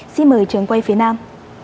xin mời trường quay phía nam